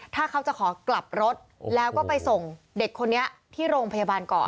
ถ้าเขาจะขอกลับรถแล้วก็ไปส่งเด็กคนนี้ที่โรงพยาบาลก่อน